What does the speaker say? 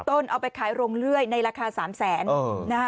๓๐ต้นเอาไปขายลงเรื่อยในราคา๓๐๐๐๐๐บาท